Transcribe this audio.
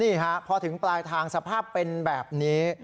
นี่ฮะพอถึงปลายทางสภาพเป็นแบบนี้